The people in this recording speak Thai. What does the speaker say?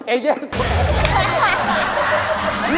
เอวเยี่ยม